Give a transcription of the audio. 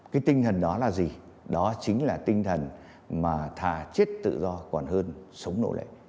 cái tinh thần đó là gì đó chính là tinh thần mà thà chết tự do còn hơn sống nội lệ